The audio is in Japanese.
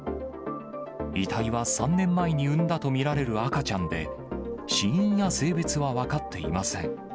遺体は３年前に産んだと見られる赤ちゃんで、死因や性別は分かっていません。